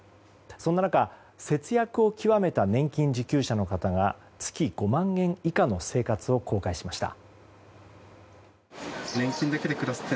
そんな中、節約を極めた年金受給者の方が月５万円以下の生活を公開しました。